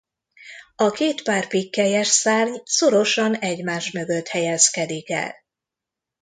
A két pár pikkelyes szárny szorosan egymás mögött helyezkedik el.